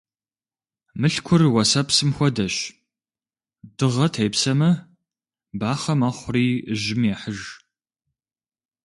Мылъкур уэсэпсым хуэдэщ: дыгъэ тепсэмэ, бахъэ мэхъури, жьым ехьыж.